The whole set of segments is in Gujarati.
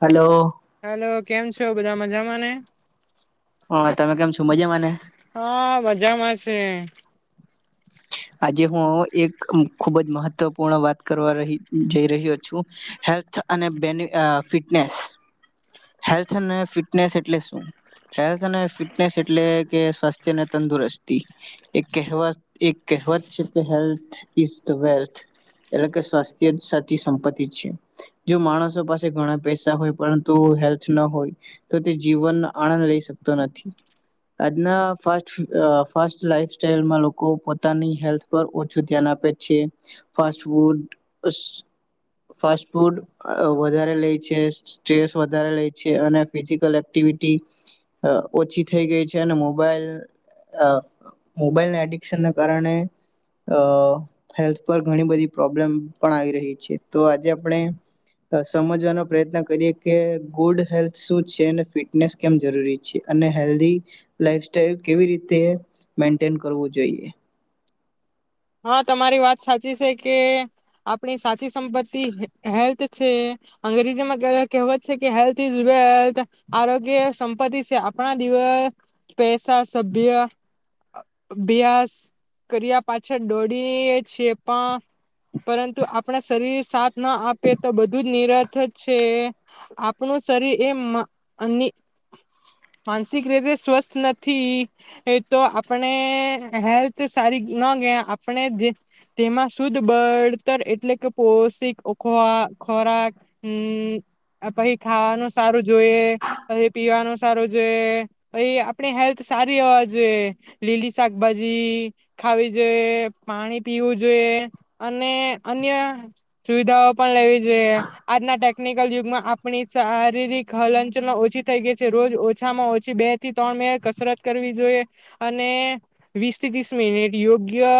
હલો. હેલો કેમ છો બધા મજામાં ને હા તમે કેમ છો મજામાં? ને હા મજામાં છે [unintelligible] આજે હું એક ખુબ જ મહત્વપૂર્ણ વાત કરવા રહી જઈ રહ્યો છું. હેલ્થ અને બેની ફિટનેસ. હેલ્થ અને ફિટનેસ એટલે શું? હેલ્થ અને ફિટનેસ એટલે કે સ્વાસ્થ્યને તંદુરસ્તી એ કહેવા એક કહેવત છે કે હેલ્થ ઈઝ વેલ્થ એટલે કે સ્વાસ્થ્ય સાચી સંપતિ છે જો માણસો પાસે ઘણા પૈસા હોય પરંતુ હેલ્થ ન હોય તો તે જીવન આનંદ લઈ શકતો નથી. આજના ફાસ ફાસ્ટ લાઈફ સ્ટાઈલમાં લોકો પોતાની હેલ્થ પર ઓછું ધ્યાન આપે છે ફાસ્ટ ફૂડ સ ફાસ્ટ ફૂડ વધારે લે છે સ્ટ્રેસ વધારે લે છે અને ફિઝિકલ એક્ટિવિટી અ ઓછી થઈ ગઈ છે અને મોબાઈલ અ મોબાઈલ નેટ વેકેશન કારણે હેલ્થ પર ઘણી બધી પ્રોબ્લેમ પણ આવી રહી છે તો આજે આપણે સમજવાનો પ્રયત્ન કરીએ કે ગુડ હેલ્થ શું છે અને ફિટનેસ કેમ જરૂરી છે અને હેલ્થી લાઈફ સ્ટાઇલ કેવી રીતે મેન્ટેન કરવું જોઈએ. હા તમારી વાત સાચી છે કે આપણી સાચી સંપત્તિ હેલ્થ છે. અંગ્રેજીમાં કહેવત છે કે હેલ્થ ઇઝ વેલ્થ આરોગ્ય સંપત્તિ છે. આપણા દિવસ પૈસા સભ્ય અભ્યાસ કર્યા પા છળ દોડી એ છીએ પણ પરંતુ આપણા શરીર સાથ ના આપે તો બધું જ નિરથ છે આપણું શરીર એ માનસિક રીતે સ્વસ્થ નથી. તો આપણે હેલ્થ સારી ન આપણે તેમાં શુદ્ધ બળતર એટલે કે પોષિક ખોરાક. હમ્મ પછી ખાવાનું સારું જોઈએ, પછી પીવાનું સારું જોઈએ, પછી આપણી હેલ્થ સારી હોવા જોઈએ. લીલી શાકભાજી ખાવી જોએ, પાણી પીવું જોઈએ અને અન્ય સુવિધાઓ પણ લેવી કે આજના ટેક્ટ ટેકનિકલ યુગમાં આપણી શારીરિક હલનચલન ઓછી થઈ ગઈ છે. રોજ ઓછામાં ઓછી બે થી ત્રણ મિનિટ કસરત કરવી જોઈએ અને વીસ થી ત્રીસ મિનિટ યોગ્ય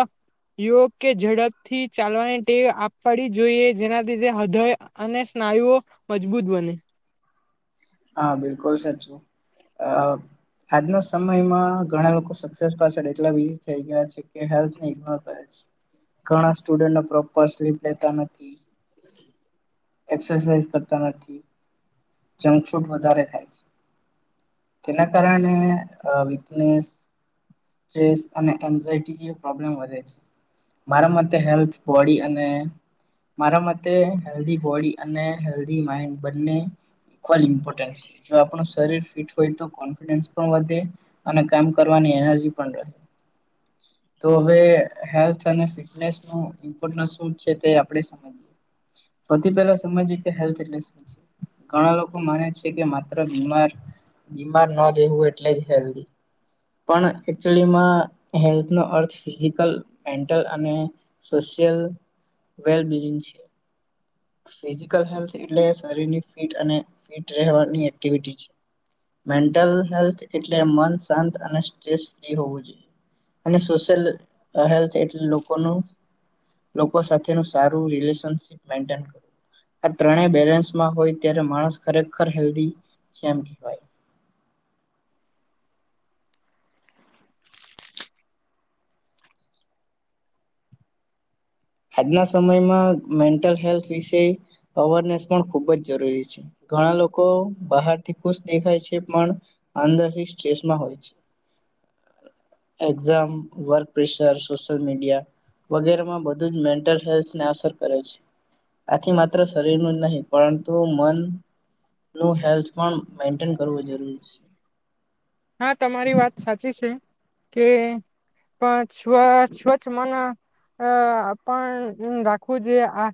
યોગ કે ઝડપ થી ચાલવાની ટેવ આપડી જોઈએ. જેના લીધે હૃદય અને સ્નાયુઓ મજબૂત બને. હા બિલકુલ સાચું અ આજના સમયમાં ઘણા લોકો સક્સેસ પાછળ એટલા વિલીન થઈ ગયા છે કે હેલ્થ ઈગ્નોર કરે છે. ઘણા સ્ટુડન્ટ પ્રોપર સ્લીપ લેતા નથી. એક્સાઈઝ કરતા નથી, જંગ ફ્રૂટ વધારે ખાય છે. તેના કારણે અ વિક્નેસ સ્ટ્રેસ અને એન્ઝાઇટી ની પ્રોબ્લમ વધે છે મારા મતે હેલ્થ બોડી અને મારા મતે હેલ્દી બોડી અને રી માઈન્ડ બને હોય ઇમોર્ટન્ટ હોય છે જો આપણું શરીર ફિટ હોય તો કોન્ફિડન્સ પણ વધે અને કામ કરવાની એનજી પણ રહે તો હવે હેલ્થ અને ફિટનેસ નુ ઇમોર્ટન્ટ શું છે તે આપણે સૌથી પેલા સમજી કે હેલ્થ એટલે શું છે. ઘણા લોકો માને છે કે માત્ર બીમાર બીમાર ન રહેવું એટલે જ હેલ્થ પણ હેલ્થનો અર્થ ફિઝિકલ, મેન્ટલ અને સોશિયલ વેલ્બિન છે. ફિઝિકલ હેલ્થ એટલે શરીરની ફિટ અને ફિટ રહેવાની એક્ટિવિટી છે. મેન્ટલ હેલ્થ એટલે મન શાંત અને સ્ટ્રેસ ફ્રી હોવુ જોઈએ અને સોશિયલ હેલ્થ એટલે લોકોનું લોકો સાથેનું સારું રિલેશન મેઇન્ટેન આ ત્રણેએ બેલેન્સ માં હોય ત્યારે માણસ ખરેખર હેલ્દી છે એમ કહેવાય. આજના સમયમાં મેન્ટલ હેલ્થ વિશે અવેરનેસ પણ ખુબ જ જરૂરી છે. ઘણા લોકો બહારથી ખુશ દેખાય છે પણ અંદર સ્ટ્રેસમાં હોય છે. Exam, work pressure, social media વગેરેમાં મેન્ટલ હેલ્થને અસર કરે છે. આથી માત્ર શરીરનું જ નહી પરંતુ મન નું હેલ્થ પણ મેન્ટેન કરવું જરૂરી છે. હા તમારી વાત સાચી છે કે પણ સ્વ સ્વચ્છ મન અ પણ રાખવું જોઈએ. આ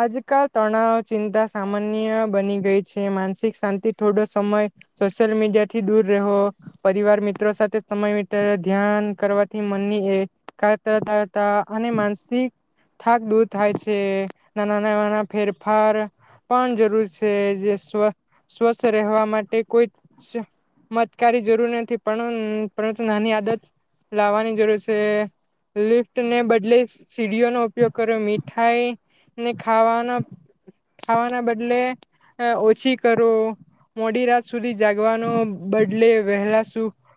આજકાલ તણાવ, ચિંતા સામાન્ય બની ગઈ છે માનસિક શાંતિ થોડો સમય સોશિયલ મીડિયા થી દૂર રહો પરિવાર મિત્રો સાથે સમય ધ્યાન કરવાથી મનની એકાગ્રતા તા અને અને માનસિક થાક દૂર થાય છે નાના નાના ફેરફાર પણ જરૂર છે જે સ્વ સ્વસ્થ રહેવા માટે કોઈ કારી જરૂર નથી પણ પરંતુ નાની આદત લાવવાની જરૂર છે લિફ્ટને બદલે સીડીઓનો ઉપયોગ કર્યો મીઠાઈને ખાવાનો ખાવાના બદલે ઓછી કરો મોડી રાત સુધી જાગવાનું બદ એટલે વહેલા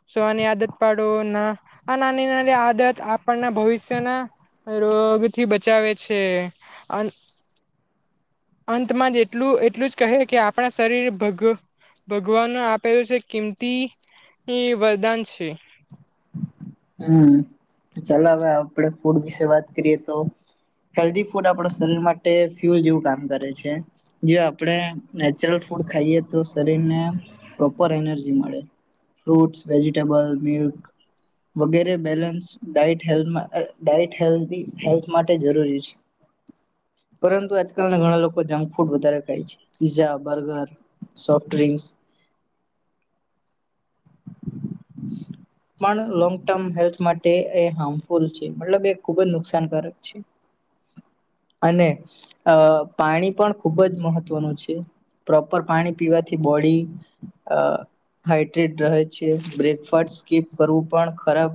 સુવાની આદત પાડો ના આ નાની નાની આદત આપણના ભવિષ્યના રોગથી બચાવે છે અંત અંતમાં જ એટલું એટલું જ કહે કે આપણા શરીર ભગ ભગવાન આપેલું છે કિમ તિ એ વરદાન છે હમ્મ ચાલો હવે આપડે ફૂડ વિશે વાત કરીએ તો હેલ્ધી ફૂડ આપણા શરીર માટે ફ્યુલ જેવું કામ કરે છે જે આપણને નેચરલ ફૂડ ખાઈએ તો સર શરીરને પ્રોપર એનર્જી મળે ફ્રૂટ વેજીટેબલ મિલ્ક વગેરે balance diet diet health diet health માટે જરૂરી છે પરંતુ આજકાલના ઘણા લોકો જંક ફૂડ વધારે ખાય છે પીઝા બર્ગર સોફ્ટ ડ પણ લોંગ ટર્મ હેલ્થ માટે એ હાર્મફુલ છે મતલબ એ ખૂબ જ નુકસાનકારક છે, અને અહ પાણી પણ ખૂબ જ મહત્વનું છે. પ્રોપર પાણી પીવાથી બોડી અહ હાઈડ્રેટ રહે છે. બ્રેકફાટસ સ્કિપ કરવું પણ ખરાબ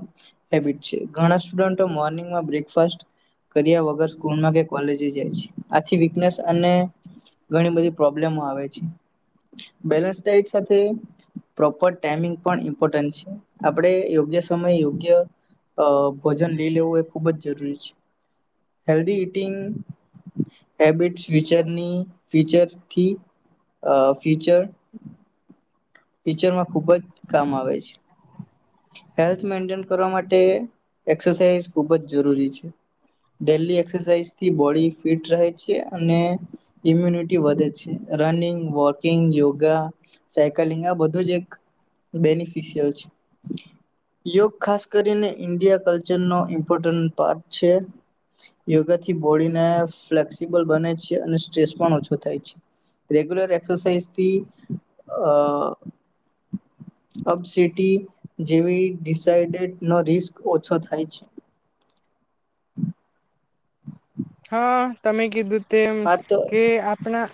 હેબિટ છે. ઘણા સ્ડુન્ટો મોર્નિંગમાં બ્રેકફાસ્ટ કર્યા વગર સ્કૂલમાં કે કોલેજે જાય છે, આથી વિકનેસ અને ઘણી બધી પ્રોબ્લેમો આવે છે. બેલેન્સ ડાયટ સાથે પ્રોપર ટાઈમિંગ પણ ઇમ્પોર્ટન્ટ છે. આપણે યોગ્ય સમયે યોગ ગયો અહ ભોજન લઈ લેવું એ ખૂબ જ જરૂરી છે. હેલ્ધી ઇટિંગ હેબિટ્સ ફીચરની ફીચરથી અહ ફીચર ફીચરમાં ખૂબ જ કામ આવે છે. હેલ્થ મેન્ટેઈન કરવા માટે એક્સરસાઈઝ ખુબ જ જરૂરી છે. ડેઈલી એક્સરસાઈઝથી બોડી ફિટ રહે છે અને ઈમ્યુનિટી વધે છે. Running, walking, yoga cycling આ બધું જ એક બેનીફ છે. યોગ ખાસ કરીને ઇન્ડિયા કલ્ચર નો ઇમ્પોર્ટન્ટ પાર્ટ છે. યોગાથી બોડીને ફ્લેક્સિબલ બને છે. અને સ્ટ્રેસ પણ ઓછો થાય છે. રેગ્યુલર એક્સરસાઇઝથી અહ અપસિટી જેવી ડિસાઇડેડ નો રિસ્ક ઓછો થાય છે. હા તમે કીધું તેમ હા તો કે આપણા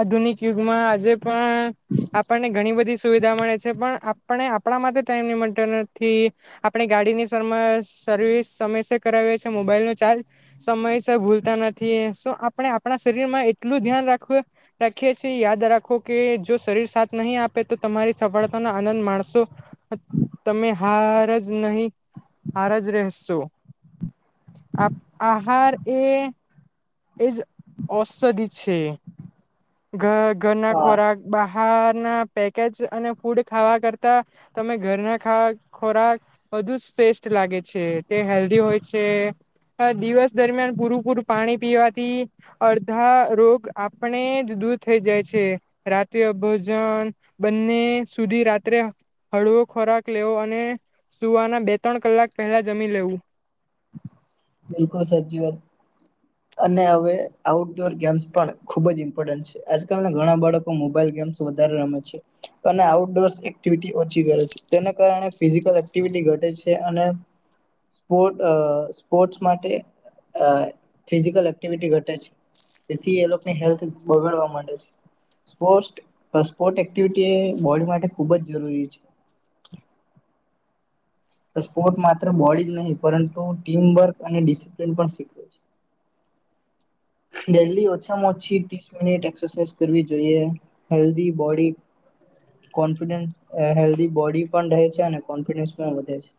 આધુનિક યુગમાં આજે પણ આપણને ઘણી બધી સુવિધા મળે છે પણ આપણે આપણા માટે ટાઈમ નહિં મળતો નથી. આપણે ગાડીની સમર સર્વિસ સમયસર કરાવીએ છે, મોબાઈલ નો ચાર્જ સમયસ [unintelligible] ભૂલતા નથી સો આપણે આપણા શરીર માં એટલું ધ્યાન રાખવું રાખીએ છીએ, યાદ રાખો કે જો શરીર સાથ નહીં આપે તો તમારી સફળતાનો આનંદ માણસો તમે હાર જ નહીં હાર જ રહેશો. આ આહાર એ એજ ઔષધિ છે. ઘર ઘરના હા ખોરાક બા બહારના પેકેજ અને ફૂડ ખાવા કરતા તમે ઘરના ખા ખોરાક બધુ જ શ્રેષ્ઠ લાગે છે. તે હેલ્ધી હોય છે. અહ દિવસ દરમિયાન પૂરું-પૂરું પાણી પીવાથી અડધા રોગ આપણે જ દૂર થઈ જાય છે. રાત્રે ભોજન બંને સુધી રાત્રે હળવો ખોરાક લેવો અને સુવાના બે ત્રણ કલાક પહેલા જમી લેવું. બિલકુલ સાચી વાત, અને હવે આઉટડોર ગેમ્સ પણ ખુબ જ ઇમ્પોર્ટન્ટ છે. આજકાલના ઘણા બાળકો મોબાઈલ ગેમ્સ વધારે રમે છે, અને આઉટડોરસ એક્ટિવિટી ઓછી કરે છે. તેના કારણે ફિઝિકલ એક્ટિવિટી ઘટે છે, અને સ્પોર્ટ અહ સ્પોર્ટ્સ માટે અહ ફિઝિકલ એક્ટિવિટી ઘટે છે. તેથી એ લોકને હેલ્થ બગાડવા માંડે છે. સ્પોર્ટ્સ સ્પોર્ટ એક્ટિવિટી એ બોડી માટે ખૂબ જ જરૂરી છે. સ્પોર્ટ માત્ર બોડી જ નહીં પરંતુ ટીમવર્ક અને ડિસીપ્લીન પણ શીખવે છે. ડેલી ઓછામાં ઓછી ત્રીસ મિનિટ એક્સરસાઇઝ કરવી જોઈએ. હેલ્ધી બોડી કોન્ફિડડ અહ હેલ્ધી બોડી પણ રહે છે અને કોન્ફિડન્સ પણ વધે છે.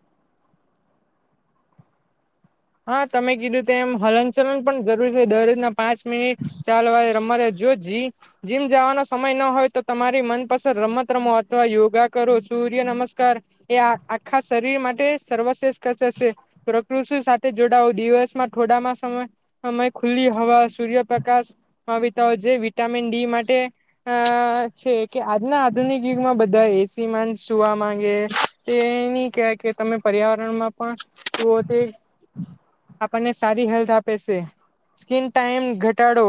હા તમે કીધું તેમ હલનચલન પણ કરવું જોઈએ. દરરોજના પાંચ મિનિટ ચાલવા રમવા જો જી જીમ જવાનો સમય ન હોય તો તમારી મનપસંદ રમત રમો અથવા યોગા કરો. સૂર્ય નમસ્કાર એ આ આખા શરીર માટે સર્વશ્રેષ્ઠ કસરત સે. પ્રકૃતિ સા સાથે જોડાઓ, દિવસમાં થોડામાં સમ સમય ખુલ્લી હવા, સૂર્યપ્રકાશ, કવિતાઓ જે વિટામિન ડી માટે આ છે કે આજના આધુનિક યુગમાં બધા એસીમાં ન સુવામાં ન એ તેની કેય કે તમે પર્યાવરણમાં પણ જોઓ તે આપણને સારી હેલ્થ આપે છે. સ્કિન ટાઈમ ઘટાડો,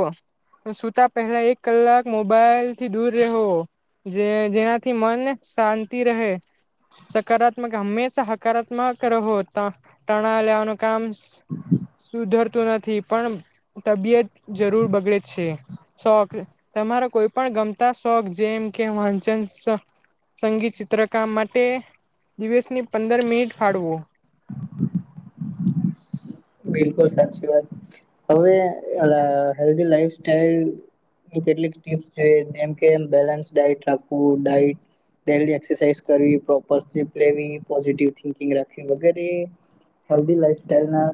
સુતા પહેલા એક કલાક મોબાઈલથી દૂર રેહો, જે જેનાથી મન શાંતિ રહે, સકારાત્મક હંમેશા હકારાત્મક રહો, ટ ટણા લેવાનું કામ સુ સુધરતું નથી પણ તબિયત જરૂર બગડે છે. શોખ તમારો કોઈ પણ ગમતા શોખ જેમ કે વાંચન શોખ, સંગીત ચિત્રકામ માટે દિવસની પંદર મિનિટ ફાળવો. બિલકુલ સાચી વાત. હવે ઓલાં હેલ્ધી લાઈફ સ્ટઈલની કેટલીક ટીપ્સ છે જેમકે બેલેન્સ ડાઈટ રાખવું, ડાઈટ ડેલી એકસરસાઈઝ કરવી [unintelligible] લેવી, પોઝિટીવ થિંકિંગ રાખવી વગરે હેલ્ધી લાઈફસ્ટાઈલના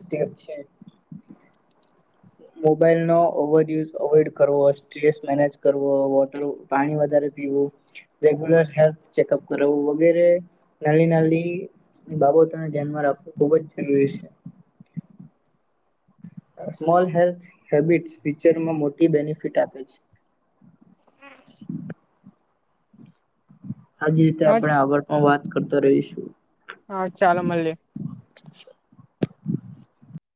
સ્ટેપ છે. મોબાઈલનો ઓવરયુઝ અવોઈડ કરવો, સ્ટ્રેસ મેનેજ કરવો, વોટરું પાણી વધારે પીવું, રેગ્યુલર હેલ્થ ચેકઅપ કરાવું વગેરે નાની નાલી બાબતોને ધ્યાનમાં રાખવું ખૂબ જ જરૂરી છે. સ્મોલ હેલ્થ હેબિટ્સ ફીચરમાં મોટી બેનિફિટ આપે છે. આજ રીતે હા આપણે આગળ પણ વાત કરતા રહીશ. હા ચાલો મલીએ.